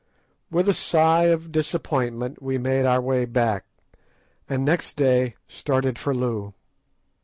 With a sigh of disappointment we made our way back, and next day started for Loo.